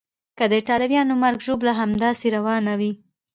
که د ایټالویانو مرګ ژوبله همداسې روانه وي.